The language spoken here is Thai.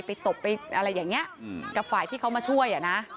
ตบไปอะไรอย่างนี้กับฝ่ายที่เขามาช่วยอ่ะนะ